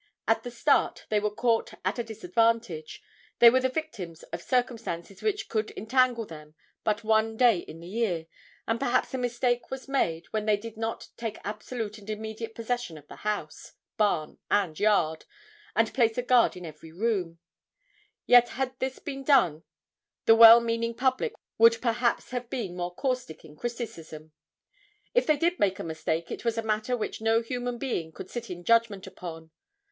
At the start they were caught at a disadvantage, they were the victims of circumstances which could entangle them but one day in the year, and perhaps a mistake was made when they did not take absolute and immediate possession of the house, barn and yard and place a guard in every room. Yet had this been done the well meaning public would perhaps have been more caustic in criticism. If they did make a mistake it was a matter which no human being could sit in judgment upon.